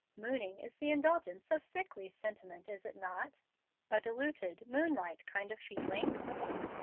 "'Mooning' is the indulgence of sickly sentiment, is it not, a diluted moonlight kind of feeling?"